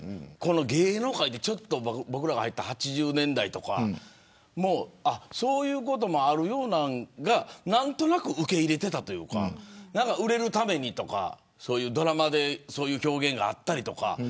芸能界って僕らが入った８０年代とかそういうこともあるようなのが何となく受け入れていたというか売れるためにとかドラマで表現があったりとか。